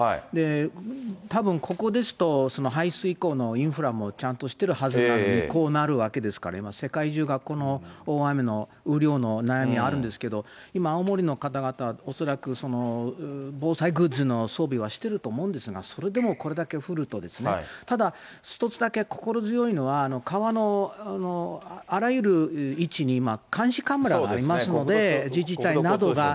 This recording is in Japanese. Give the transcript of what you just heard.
たぶんここですと、排水溝のインフラもちゃんとしてるはずなのに、こうなるわけですから、今、世界中がこの大雨の、雨量の悩みあるんですけど、今、青森の方々、恐らく防災グッズの装備はしてると思うんですが、それでもこれだけ降ると、ただ、一つだけ心強いのは、川のあらゆる位置に今、監視カメラがありますので、自治体などが。